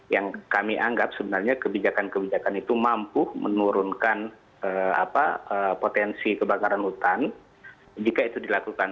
yang kami anggap sebenarnya kebijakan kebijakan itu mampu menurunkan potensi kebakaran hutan jika itu dilakukan